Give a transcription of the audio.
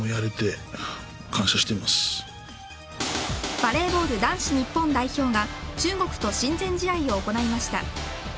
バレーボール男子日本代表が中国と親善試合を行いました。